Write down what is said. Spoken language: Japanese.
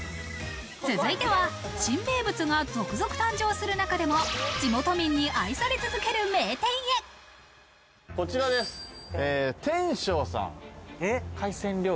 続いては新名物が続々誕生する中でも、地元民に愛され続けるこちらです、天匠さん。